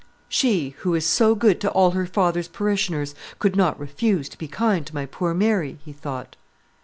"She, who is so good to all her father's parishioners, could not refuse to be kind to my poor Mary?" he thought.